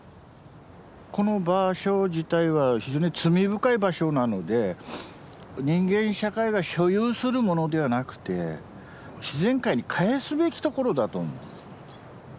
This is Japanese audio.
この場所自体は非常に罪深い場所なので人間社会が所有するものではなくて自然界に返すべき所だと思う。